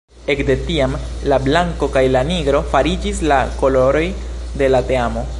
Ekde tiam la blanko kaj la nigro fariĝis la koloroj de la teamo.